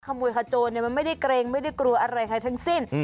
ขโมยขโจรมันไม่ได้เกรงไม่ได้กลัวอะไรใครทั้งสิ้น